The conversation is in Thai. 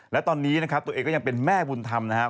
และตอนนี้นะครับตัวเองก็ยังเป็นแม่บุญธรรมนะครับ